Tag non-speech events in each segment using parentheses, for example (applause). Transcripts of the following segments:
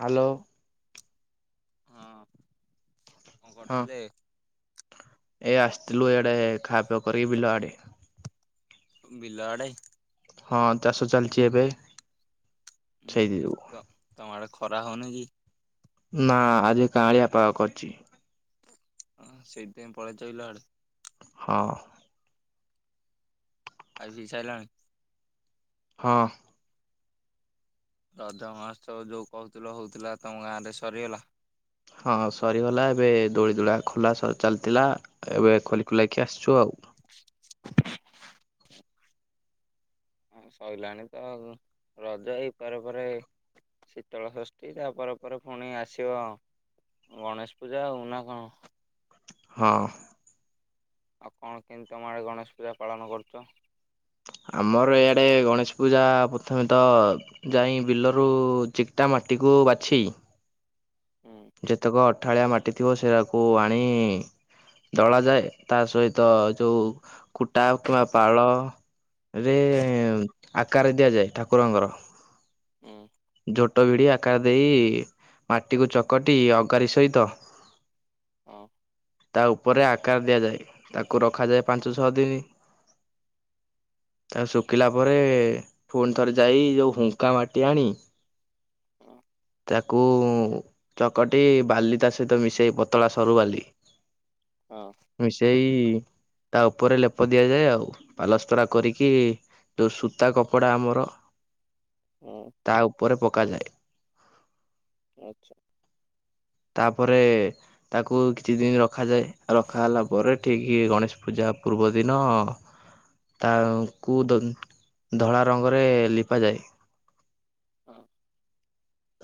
Hello. କରିଥିଲେ। ଏଇ ଆସିଥିଲୁ ଏଇଆଡେ ଖା ପିଆ କରିକିି ବିଲ ଆଡେ। ବିଲ ଆଡ଼େ। ହଁ ଚାଷ ଚାଲିଛି ଏବେ। ସେଇଥି ଯୋଗୁ ତମ ଆଡ଼କୁ। ଖରା ହଉ ନି କି? ନା ଆଜି କାଳିଆ ପାଗ କରିଛି। ହ ସେଇଥିପାଇଁ ପଳେଇଛ ବିଲ ଆଡେ। ହଁ। ଖାଇପିଇ ସାଇଲାଣି। ହଁ। ରଜ ମହୋତ୍ସବ ଯୋଉ କହୁଥିଲ ହଉଥିଲା ତମ ଗାଁ ରେ ସରିଗଲା। ହଁ ସରିଗଲା ଏବେ ଦୋଳି ଦୁଳା ଖୋଲା ସ ଚାଲିଥିଲା ଏବେ ଖୋଲି ଖୋଲାକି ଆସିଛୁ ଆଉ। ସରିଲଣି ତ ରଜ ଏଇ ପରେ ପରେ ଶୀତଳ ଷଷ୍ଠୀ ତାପ ପରେ ପୁଣି ଆସିବ ଗଣେଶ ପୂଜା ଆଉ ନା କଣ? ହଁ। ଆଉ କଣ କେମିତି ତମ ଆଡେ ଗଣେଶ ପୂଜା ପାଳନ କରୁଛ? ଆମର ଇଆଡେ ଗଣେଶ ପୂଜା ପ୍ରଥମେ ତ ଯାଇ ବିଲରୁ ଚିକଟା ମାଟିକୁ ବାଛି ହୁଁ ଯେତେକ। ଠାଳିଆ ମାଟି ଥିବ ସେଟାକୁ ଆଣି ଦଳାଯାଏ ତା ସହିତ ଯୋଉ କୁଟା କିମ୍ବା ପାଳ ରେ ଆକାର ଦିଆଯାଏ ଠାକୁରଙ୍କର। ହଁ। ଝୋଟ ଭିଡି ଆକାର ଦେଇ ମାଟିକୁ ଚକଟି ଅଗାରି ସହିତ। ହଁ ତା ଉପରେ ଆ ଆକାର ଦିଆଯାଏ ତାକୁ ରଖାଯାଏ ପାଞ୍ଚ ଛଅ ଦିନ ତାକୁ ଶୁଖିଲା ପରେ ପୁଣି ଥରେ ଯାଇ ଯୋଉ ହୁଙ୍କା ମାଟି ଆଣି। ହଁ ତାକୁ ଚକଟି ବାଲି ତା ସହିତ ମିଶେଇ ପତଳା ସରୁ ବାଲି। ହଁ ସେଇ। ତା ଉପରେ ଲେପ ଦିଆଯାଏ ଆଉ ପାଲସ୍ତରା କରିକି ଯୋଉ ସୂତା କପଡା ଆମର। ହୁଁ। ପରେ ପକାଯାଏ। ଆଚ୍ଛା। ତାପରେ ତାକୁ କିଛି ଦିନ ରଖାଯାଏ ରଖା ହେଲା ପରେ ଠିକ ଗଣେଶ ପୂଜା ପୂର୍ବ ଦିନ ତାଙ୍କୁ ଧ ଧଳା ରଙ୍ଗରେ ଲିପାଯାଏ। ହଁ।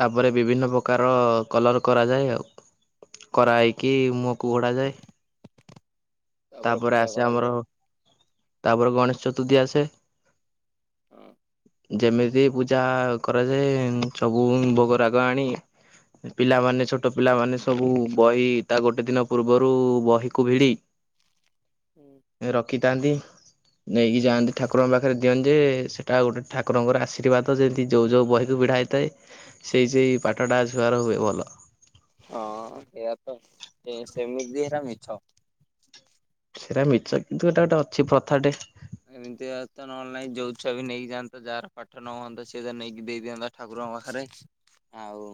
ତାପରେ ବିଭିନ୍ନ ପ୍ରକାର କଲର କରାଯାଏ ଆଉ କରା ହେଇକି ମୁହଁକୁ ଘୋଡା ଯାଏ। ତାପରେ ପୂଜା ଆସେ କରାଯାଏ ଆମର ଆଉ। ତାପରେ ଗଣେଷ ଚତୁର୍ଥୀ ଆସେ। ହଁ। ଯେମିତି ପୂଜା କରାଯାଏ ଚ ଭୋଗ ରାଗ ଆଣି ପିଲାମାନେ ଛୋଟ ପିଲାମାନେ ସବୁ ବହି ତା ଗୋଟେ ଦିନ ପୂର୍ବରୁ ବହିକୁ ଭିଡି ହୁଁ ରଖିଥାନ୍ତି। ନେଇକି ଯାଆନ୍ତି ଠାକୁରଙ୍କ ପାଖରେ ଦିଅନ୍ତି ଯେ ସେଟା ଗୋଟେ ଠାକୁରଙ୍କର ଆଶୀର୍ବାଦ ଯେମିତି ଯୋଉ ଯୋଉ ବହିକୁ ଭିଡା ହେଇଥାଏ। ସେଇ ସେ ପାଠଟାଆସିବାର ହୁଏ ଭଲ। ହଁ ସେଇଆ ତ ସେମିତି ହେରା ମିଛ ସେଇଟା ମିଛ କିନ୍ତୁ ଏଟା ଗୋଟେ ଅଛି ପ୍ରଥାଟେ ଏମିତିଆ ତ ନହେଲେ ନହିଁ ଯୋଉ ଛୁଆ ବି ନେଇକି ଯାଆନ୍ତା ଯାହାର ପାଠ ନ ହୁଅନ୍ତତା ସିଏ ତ ନେଇକି ଦେଇଦିଅନ୍ତା ଠାକୁରଙ୍କ ପାଖରେ ଆଉ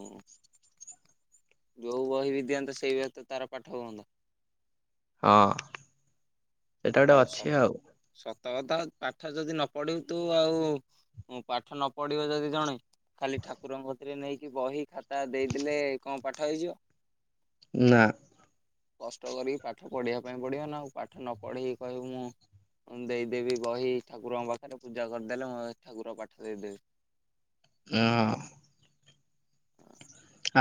ଯୋଉ ବହି ବି ଦିଅନ୍ତତା ସେଇଭଳି ତ ତାର ପାଠ ହୁଅନ୍ତା। ହଁ। ସେଟା ହଉ ଗୋଟେ ଅଛି ହଉ ଆଉ। ସତକତା ପାଠ ଯଦି ନ ପଢୁ ତୁ ଆଉ ପାଠ ନ ପଢିବ ଯଦି ଜଣେ ଖାଲି ଠାକୁରଙ୍କ ଏଥିରେ ନେଇକି ବହି, ଖାତା ଦେଇଦେଲେ କଣ ପାଠ ହେଇଯିବ? ନା କଷ୍ଟ କରିକି ପାଠ ପଢ଼ିବା ପାଇଁ ପଡିବ ନା ଆଉ ପାଠ ନ ପଢେଇି କହିବି ମୁଁ ଦେଇଦେବି ବହି ଠାକୁରଙ୍କ ପାଖରେ ପୂଜା କରିଦେଲେ ମୁଁ ଠାକୁର ପାଠ ଦେଇଦେବେ। ହଁ। ହ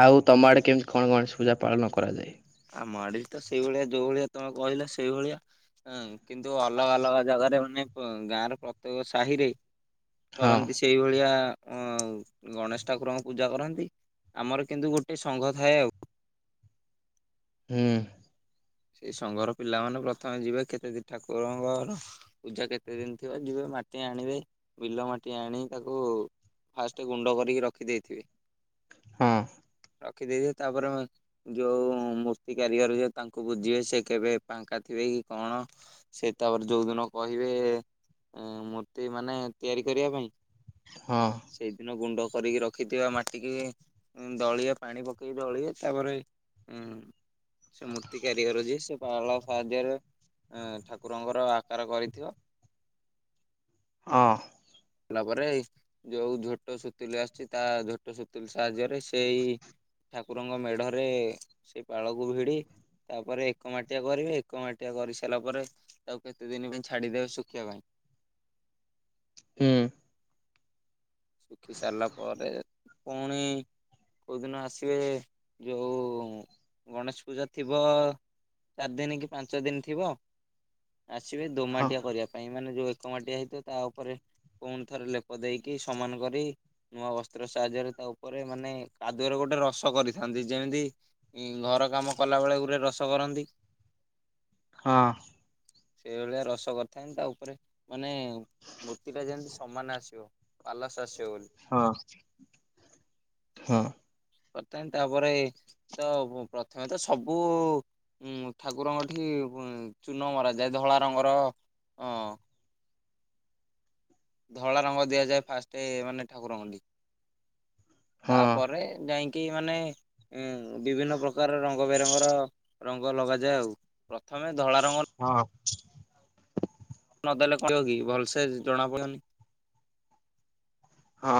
ଆଉ ତମ ଆଡ଼େ କେମିତି କଣ ଗଣେଶ ପୂଜା ପାଳନ କରାଯାଏ। ଆ ମାଡିଲ ତ ସେଇଭଳିଆ ଯୋଉ ଭଳିଆ ତମେ କହିଲା ସେଇଭଳିଆ କିନ୍ତୁ ଅଲଗା ଅଲଗା ଜାଗାରେ ମାନେ ଗାଁର ପ୍ରତ୍ୟେକ ସାହିରେ ହଁ କରନ୍ତି ସେଇ ଭଳିଆ ଅ ଗଣେଶ ଠାକୁରଙ୍କୁ ପୂଜା କରନ୍ତି ଆମର କିନ୍ତୁ ଗୋଟେ ସଙ୍ଘ ଥାଏ ଆଉ ହୁଁ ସେଇ ସଂଘର ପିଲାମାନେ ପ୍ରଥମେ ଯିବେ କେତେ ଠାକୁରଙ୍କର ପୂଜା କେତେ ଦିନ ଥିବ ଯିବେ ମାଟି ଆଣିବେ। ବିଲ ମାଟି ଆଣି ତାକୁ ଫାଷ୍ଟ ଗୁଣ୍ଡ କରିକି ରଖି ଦେଇ ଥିବେ। ହଁ। ରଖିଦେଇଥିବେ ତାପରେ ଯୋଉ ମୂର୍ତ୍ତି କାରିଗର ଯେ ତାଙ୍କୁ କୁ ବୁଝିବେ ସେ କେବେ ଫାଙ୍କା ଥିବେ କି କଣ ସେ ତାପରେ ଯୋଉ ଦିନ କହିବେ ମୂର୍ତ୍ତି ମାନେ ତିଆରି କରିବା ପାଇଁ ହଁ ସେଇଦିନ ଗୁଣ୍ଡ କରିକି ରଖିଥିବା ମାଟିିକି ଦଳିିବ ପାଣି ପକେଇକି ଦଳିବେ ତାପରେ ଉଁ କାରିଗର ଯିଏ ସିଏ ପାଳ ସାହାଯ୍ୟରେ ଠାକୁରଙ୍କର ଆକାର କରିଥିବ। ହଁ। କଲା ପରେ ଯୋଉ ଝୋଟ ସୁତୁଲି ଆସିୁଛି ତା ଝୋଟ ସୁତୁଲି ସାହାଯ୍ୟରେ। ସେଇ ଠାକୁ ଠାକୁରଙ୍କ ମେଢରେ ସେଇ ପାଳକୁ ଭିଡି ତାପରେ ଏକ ମାଟିଆ କରିବେ। ଏକ ମାଟିଆ କରିସାରିଲା ପରେ ତାକୁ କେତେ ଦିନ ପାଇଁ ଛାଡିଦେବେ ଶୁଖିବା ପାଇଁ। ହୁଁ। ଶୁଖି ସାରିଲା ପରେ ପୁଣି କୋଉ ଦିନ ଆସିବେ ଯୋଉ ଗଣେଷ ପୂଜା ଥିବ ଚାରି ଦିନ କି ପାଞ୍ଚ ଦିନି ଥିବ ଆସିବେ ହଁ ଦୋମାଟିଆ କରିବା ପାଇଁ ମାନେ ଯୋଉ ଏକ ମାଟିଆ ହେଇଥିବ ତା ଉପରେ ପୁଣି ଥରେ ଲେପ ଦେଇକି ସମାନ କରି ନୂଆ ବସ୍ତ୍ର ସାହାଯ୍ୟରେ ତା ଉପରେ ମାନେ କାଦୁଅରେ ଗୋଟେ ରସ କରିଥାନ୍ତି ଯେମିତି ଘର କାମ କଲା ବେଳେ ଗୋଟେ ରସ କରନ୍ତି। ହଁ। ସେଇ ଭଳିଆ ରସ କରିଥାନ୍ତି ତା ଉପରେ ମାନେ ମୂର୍ତ୍ତି ଟା ଯେମିତି ସମାନ ଆସିବ। ପାଲାସସ ହଁ। ହଁ। କରିଥାନ୍ତି ତାପରେ ତ ପ୍ରଥମେ ତ ସବୁ ଉ ଠାକୁରଙ୍କଠି ଉ ଚୁନ ମରାଯାଏ ଧଳା ରଙ୍ଗର ଅ ଧଳା ରଙ୍ଗ ଦିଆଯାଏ ଫାଷ୍ଟ ମାନେ ଠାକୁରଙ୍କ କତିକି ହଁ ତାପରେ ଯାଇକି। କି ମାନେ ଉଁ ବିଭିନ୍ନ ପ୍ରକାରର ର ରଙ୍ଗ ବେରଙ୍ଗର ରଙ୍ଗ ଲଗାଯାଏ ଆଉ ପ ପ୍ରଥମେ ଧଳାରଙ୍ଗ ହଁ ନଦେଲେ କହିବ କି ଭଲସେ ଜଣା ପଡିବନି। ହଁ।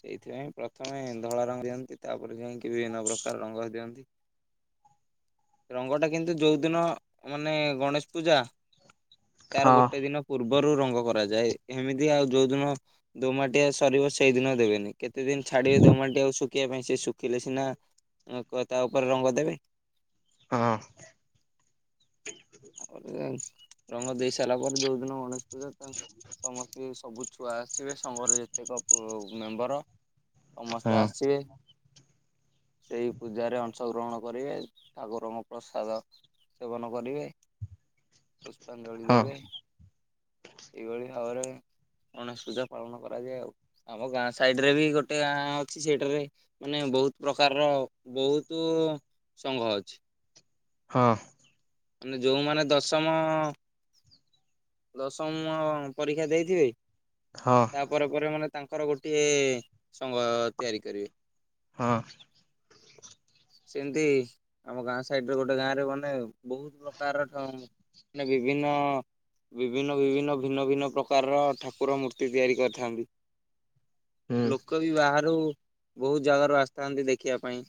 ସେଇଥିପାଇଁ ପ୍ରଥମେ ଧଳା ରଙ୍ଗ ଦିଅନ୍ତି ତାପରେ ଯାଇକି ବିଭିନ୍ନ ପ୍ରକାର ରଙ୍ଗ ଦିଅନ୍ତି। ରଙ୍ଗଟା କିନ୍ତୁ ଯୋଉଦିନ ମାନେ ଗଣେଶ ପୂଜା ହଁ ତାର ହଁ ଗୋଟେ ଦିନ ପୂର୍ବ ପୂର୍ବରୁ ରଙ୍ଗ କରାଯାଏ ଏମିତି ଆଉ ଯୋଉ ଦିନ ଦୋମାଟିଆ ସରିବ ସେଇ ଦିନ ଦେବେନି। କେତେ ଦିନ ଛାଡିବେ ଦୋମାଟିଆ କୁ ସବୁ। ଶୁଖିବା ପାଇଁ ସେ ଶୁଖିଲେ ସିନା ତା ଉପରେ ରଙ୍ଗ ଦେବେ। ହଁ ହଁ ତାପରେ ରଙ୍ଗ ଦେଇ ସାରିଲା ପରେ ଯୋଉ (unintelligible) (unintelligible) ସମସ୍ତେ ଯଦି ସବୁ ଛୁଆ ଆସିବେ ସମଘର ଯେତେକ ମେମ୍ବର ସମସ୍ତେ ହଁ ଆସିବେ। ସେଇ ପୂଜାରେରେ ଅଂଶଗ୍ରହଣ କରିବେ। ଠାକୁରଙ୍କ ପ୍ରସାଦ ସେବନ କରିବେ। ପୁଷ୍ପାଞ୍ଜଳି ଦେବେ। ଏଇଭଳି ଭାବରେ ଗଣେଶ ପୂଜା ପାଳନ କରାଯାଏ ଆଉ। ଆମ ଗାଁ ସାଇଡ ରେ ବି ଗୋଟେ ଗାଁ ଅଛି ସେଇଠାରେ ମାନେ ବହୁତ ପ୍ରକାରର ବହୁତ ସଂଘ ଅ ଛି। ହଁ। ମାନେ ଯୋଉମାନେ ଦଶମ ଦଶମ ପରୀକ୍ଷା ଦେଇଥିବେ। ହଁ ତା ପରେ ପରେ ମାନେ ତାଙ୍କର ଗୋଟିଏ ସଂଘ ତିଆରି କରିବେ। ହଁ। ସେମିତି ଆମ ଗାଁ ସାଇଡରେ ଗୋଟେ ଗାଁ ରେ ମାନେ ଆଉ। ବହୁତ ପ୍ରକାରର ଠ ମାନେ ବିଭିନ୍ନ ବିଭିନ୍ନ ବିଭିନ୍ନ ଭିନ୍ନ ଭିନ୍ନ ପ୍ରକାରର ଠାକୁର ମୂର୍ତ୍ତି ତିଆରି କରିଥାନ୍ତି। ହୁଁ ଲୋକ ବି ବାହାରୁ ବହୁତ ଜାଗାରୁ ଆସିଥାନ୍ତି ଦେଖିବା ପାଇଁ।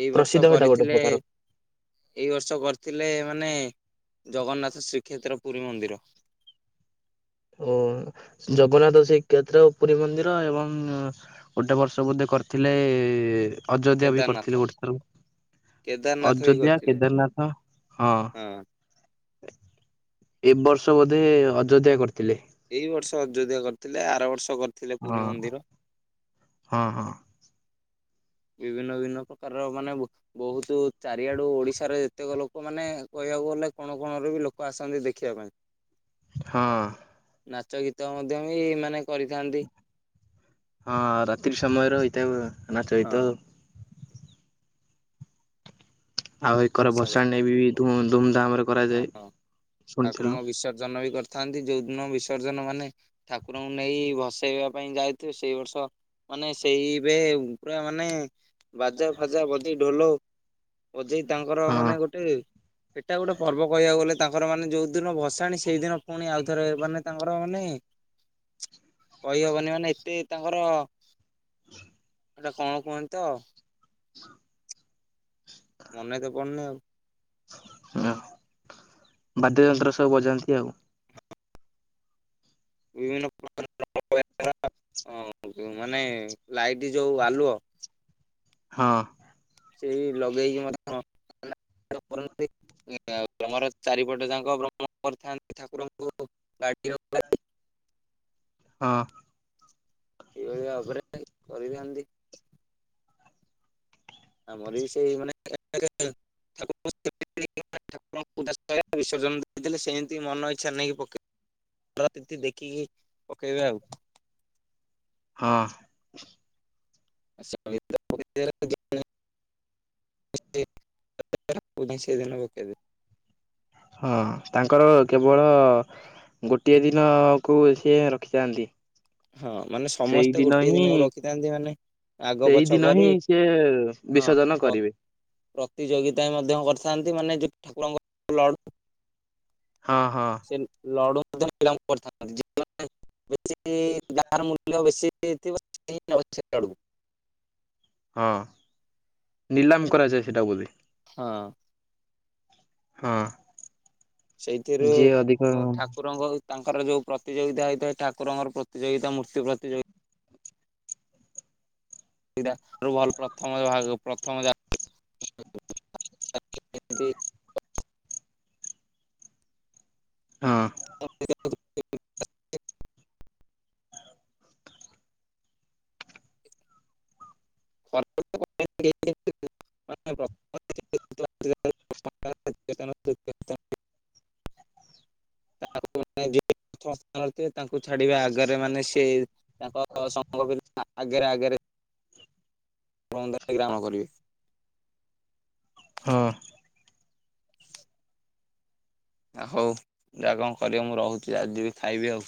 ଏଇ ବର୍ଷ ପ୍ରସିଦ୍ଧ ଏଟା ଗୋଟେ କରିଥିଲେ ପ୍ରକାର। ଏଇ ବର୍ଷ କରିଥିଲେ ମାନେ ଜଗନ୍ନାଥ ଶ୍ରୀକ୍ଷେତ୍ର ପୁରୀ ମନ୍ଦିର। ଓ ଜଗନ୍ନାଥ ସେ ଶ୍ରେଖେତ୍ର ପୁରୀ ମନ୍ଦିର ଏବଂ ଗୋଟେ ବର୍ଷ ବୋଧେ କରିଥିଲେ ଅଯୋଧ୍ୟା ବି କରିଥିଲେ କେଦାରନାଥ ଗୋଟେ ଥର, କେଦାରନାଥ ବି ଅଯୋଧ୍ୟା, କରିଥିଲେ କେଦାରନାଥ ହଁ। ଏ ବର୍ଷ ବୋଧେ ଅଯୋଧ୍ୟା କରି ଏଇ ବର୍ଷ ଅଯୋଧ୍ୟା କରିଥିଲେ ଆର ବର୍ଷ କରିଥିଲେ ପୁରୀ ହଁ ମନ୍ଦିର ହଁ ହଁ। ବିଭିନ୍ନ ବିଭିନ୍ନ ପ୍ରକାରର ମାନେ ବହୁତ ଚାରିଆଡୁ ଓଡିଶାର ଯେତେକ ଲୋକ ମାନେ କହିବାକୁ ଗଲେ କଣ କଣ ର ବି ଲୋକ ଆସନ୍ତି ଦେଖିବା ପାଇଁ। ହଁ। ନାଚ ଗୀତ ମଧ୍ୟ ବି ଏଇ ମାନେ କରିଥାନ୍ତି। ହଁ ରାତି ସମୟରେ ହେଇଥାିଏ। ନାଚ ହଁ ଗୀତ ଆଉ। ଆଉ ଏକର ପ୍ରସାଦ ଭସାଣୀ ରେ ବି ଧୁମଧାମ ରେ କରାଯାଏ ହଁ ଶୁଣିଥିଲୁ। ଥାନ୍ତି ଯୋଉଦିନ ବିସର୍ଜନ ମାନେ ଠାକୁରଙ୍କୁ ନେଇ ଭସେଇବା ପାଇଁ ଯାଇଥିବ ସେଇ ବର୍ଷ ମାନେ ସେଇବେ ପୁରା ମାନେ ବାଜା ଫାଜା ବଜେଇ ଢୋଲ ବଜେଇ। ତାଙ୍କର ହଁ ମାନେ ଗୋଟେ ସେଟା ଗୋଟେ ପର୍ବ କହିବାକୁ ଗଲେ। ତାଙ୍କର ମାନେ ଯୋଉ ଦିନ ଭସାଣି ସେଇଦିନ ପୁଣି ଆଉଥରେ ମାନେ ତାଙ୍କର ମାନେ। କହିହବନି ମାନେ ଏତେ। ତାଙ୍କର। ହ ଏଟା କଣ କୁହନ୍ତି ତ। ମନେ ତ ପଡ଼ନି ଆଉ। ଉଁ ବାଦ୍ୟ ଯନ୍ତ୍ର ସବୁ ବଜାନ୍ତି ଆଉ। ବିଭିନ୍ନ ପ୍ରକାର (unintelligible) ମାନେ ଲାଇଟି ଯୋଉ ଆଲୁଅ। ହଁ। ସେଇ ଲଗେଇକି ମଧ୍ୟ କରନ୍ତି ଗ୍ରମର ଚାରିପଟ ଯାଙ୍କଭ୍ରମଣ କରିଥାନ୍ତି ଠାକୁରଙ୍କୁ। ହଁ। ଏଇ ଭଳି ଭାବରେ କରିଥାନ୍ତି। ଆମର ବି ସେଇ ମାନେ (unintelligible) ଠାରଙ୍କୁ ବିସର୍ଜନ ଦେଇଥିଲେ ସେମିତି ମନ ଇଛା ନେଇକି ପକେଇ ଦେଖିକି ପକେଇବେ ଆଉ। ହଁ। (unintelligible) ହଁ ତାଙ୍କର କେବଳ ଗୋଟିଏ ଦିନ କୁ ସିଏ ରଖିଥାନ୍ତି। ହଁ ମାନେ ସମସ୍ତେ ସେଇଦିନ ଗୋଟିଏ ହିଁ ଦିନକୁ ରଖିଥାନ୍ତି ମାନେ ଆଗ ପଛ ସେଇଦିନ କରି ହିଁ ସିଏ ହଁ ବିସର୍ଜନ କରିବେ। ପ୍ରତିଯୋଗିତା ମଧ୍ୟ କରିଥାନ୍ତି। ଶନ୍ତି ମାନେ ଯଉ ଠାକୁରଙ୍କ ଲଡୁ। ହଁ ହଁ ସେ ଲଡ଼ୁ। (unintelligible) ଜାର ମୂଲ୍ୟ ବେଶୀ ହେଇଥିବା (unintelligible) ହଁ ନିଲାମ କରାଯାଏ ସେଟା ବୋଧେ। ହଁ। ହଁ। ସେଇଥିରୁ ଯିଏ ଅଧିକ ଠାକୁରଙ୍କ ତାଙ୍କ। ତାଙ୍କର ଯୋଉ ପ୍ରତିଯୋଗିତା ହେଇଥାଏ ଠାକୁରଙ୍କର ପ୍ରତିଯୋଗିତା ମୂର୍ତ୍ତି ପ୍ରତିଯୋଗିତା। ଭଲ ପ୍ରଥମ ଭାଗ ପ୍ରଥମ (unintelligible) ହଁ। (unintelligible) (unintelligible) (unintelligible) ତାଙ୍କୁ ଛାଡିବା ଆଗରେ ମାନେ ସେ ତାଙ୍କ ଆଗରେ ଆଗରେ କାମ କରିବେ। ହଁ। ହଉ ଯାହା କଣ କରିବ ମୁଁ ରହୁଛି ଆ ଯିବି ଖାଇବି ଆଉ।